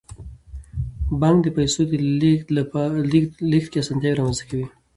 بانک د پیسو په لیږد کې اسانتیاوې رامنځته کوي.